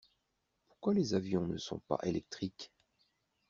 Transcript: Pourquoi les avions ne sont pas électriques?